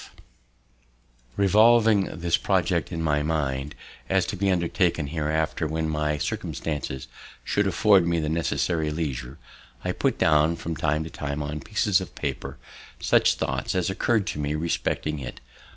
B. F." Revolving this project in my mind, as to be undertaken hereafter, when my circumstances should afford me the necessary leisure, I put down from time to time, on pieces of paper, such thoughts as occurr'd to me respecting it.